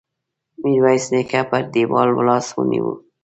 ميرويس نيکه پر دېوال لاس ونيو.